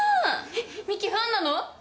えっミキファンなの？